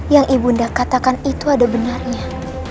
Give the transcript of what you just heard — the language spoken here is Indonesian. yang ibunda katakan itu ada benarnya